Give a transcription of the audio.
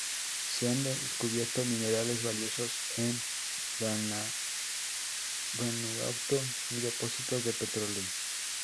No se han descubierto minerales valiosos en Vanuatu, ni depósitos de petróleo.